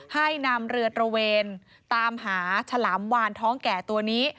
ให้นำเรือตระเวนตามหาฉลามวานท้องแก่ตัวนี้